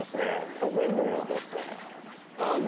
得意分野の方っすね。